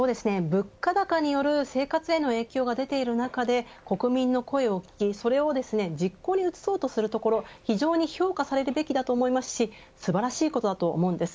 物価高による生活への影響が出ている中で国民の声を聞き、それを実行に移そうとするところは非常に評価されるべきだと思いますし素晴らしいことだと思います。